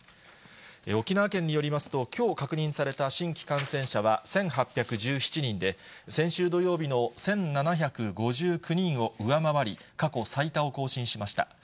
沖縄県によりますと、きょう確認された新規感染者は１８１７人で、先週土曜日の１７５９人を上回り、過去最多を更新しました。